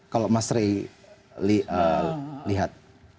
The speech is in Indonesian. kalau mas rey lihat